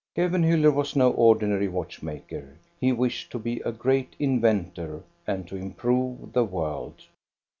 Kevenhuller was no ordinary watch maker; he wished to be a great inventor and to improve the world.